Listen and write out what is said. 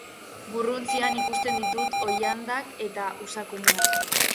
Burruntzian ikusten ditut oilandak eta usakumeak.